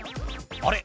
「あれ？